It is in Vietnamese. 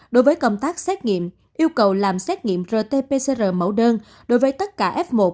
đối với công tác xét nghiệm yêu cầu làm xét nghiệm rt pcr mẫu đơn đối với tất cả f một